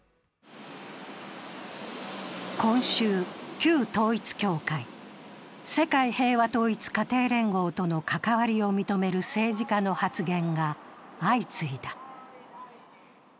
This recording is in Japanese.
今週、旧統一教会＝世界平和統一家庭連合との関わりを認める政治家の発言が相次いだ。